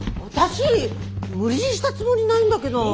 私無理強いしたつもりないんだけど。